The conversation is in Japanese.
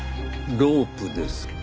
ロープですか。